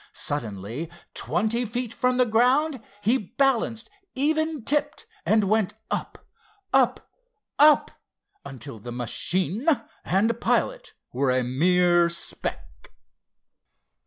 Suddenly, twenty feet from the ground, he balanced, even tipped, and went up, up, up—until machine and pilot were a mere speck.